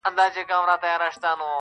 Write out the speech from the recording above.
ستا له خیبر سره ټکراو ستا حماقت ګڼمه،